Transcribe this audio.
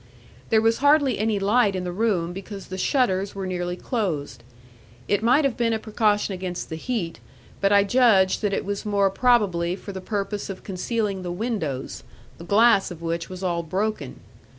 There was hardly any light in the room because the shutters were nearly closed. It might have been a precaution against the heat, but I judged that it was more probably for the purpose of concealing the windows, the glass of which was all broken.